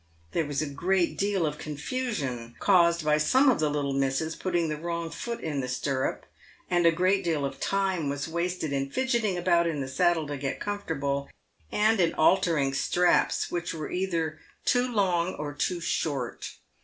There was a great deal of confusion caused by some of the little misses putting the wrong foot in the stirrup, and a great deal of time was wasted in fidgeting about in the saddle to get comfortable, and in altering straps which were either too long or too short.